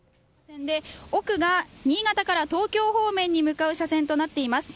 奥が新潟から東京方面に向かう車線となっています。